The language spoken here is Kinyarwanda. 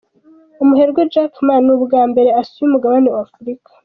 Umuherwe Jack Ma ni ubwa mbere asuye umugabane wa Afurika.